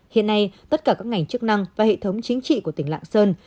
hiện nay tất cả các ngành chức năng và hệ thống chính trị của tỉnh lạng sơn